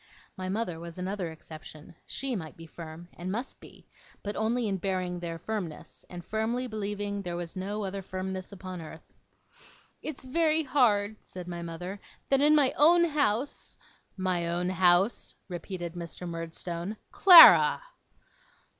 My mother was another exception. She might be firm, and must be; but only in bearing their firmness, and firmly believing there was no other firmness upon earth. 'It's very hard,' said my mother, 'that in my own house ' 'My own house?' repeated Mr. Murdstone. 'Clara!